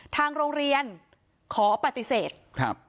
ทางโรงเรียนขอปฏิเสธครับ